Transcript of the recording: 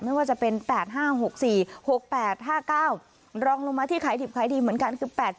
ไม่ว่าจะเป็น๘๕๖๔๖๘๕๙รองลงมาที่ขายดิบขายดีเหมือนกันคือ๘๗